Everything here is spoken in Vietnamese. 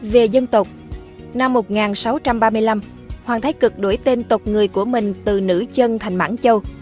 về dân tộc năm một nghìn sáu trăm ba mươi năm hoàng thái cực đổi tên tộc người của mình từ nữ chân thành mãng châu